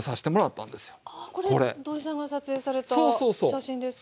これ土井さんが撮影された写真ですか？